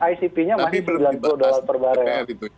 icp nya masih sembilan puluh dolar per barel